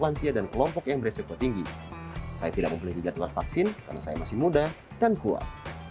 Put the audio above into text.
lansia dan kelompok yang beresiko tinggi saya tidak memiliki jadwal vaksin karena saya masih muda dan kuat